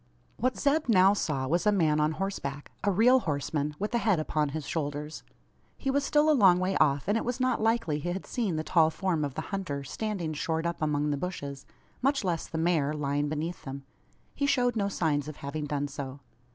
What Zeb now saw was a man on horseback a real horseman, with a head upon his shoulders. He was still a long way off; and it was not likely he had seen the tall form of the hunter, standing shored up among the bushes much less the mare, lying beneath them. He showed no signs of having done so.